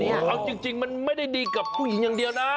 เอาจริงมันไม่ได้ดีกับผู้หญิงอย่างเดียวนะ